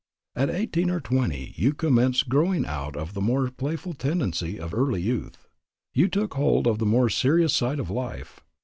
"At eighteen or twenty you commenced growing out of the more playful tendency of early youth. You took hold of the more serious side of life.